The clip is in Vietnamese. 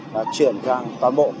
và chuyển sang toàn bộ